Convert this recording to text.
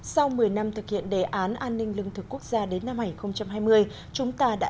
sau một mươi năm thực hiện đề án an ninh lương thực quốc gia đến năm hai nghìn hai mươi